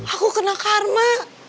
aku kena karma